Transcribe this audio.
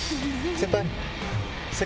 先輩！